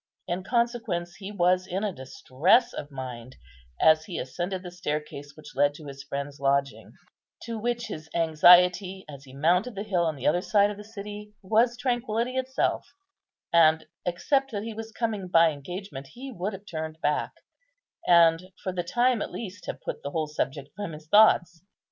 In consequence he was in a distress of mind, as he ascended the staircase which led to his friend's lodging, to which his anxiety, as he mounted the hill on the other side of the city, was tranquillity itself; and, except that he was coming by engagement, he would have turned back, and for the time at least have put the whole subject from his thoughts.